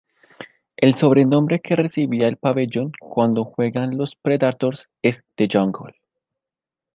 El sobrenombre que recibía el pabellón cuando juegan los Predators es "The Jungle".